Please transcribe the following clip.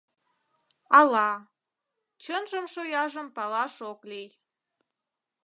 Ала... чынжым-шояжым палаш ок лий.